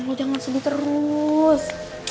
lo jangan sedih terus